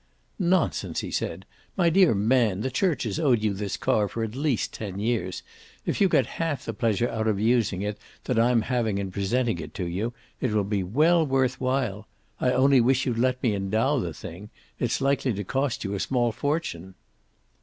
"Nonsense," he said. "My dear man, the church has owed you this car for at least ten years. If you get half the pleasure out of using it that I'm having in presenting it to you, it will be well worth while. I only wish you'd let me endow the thing. It's likely to cost you a small fortune."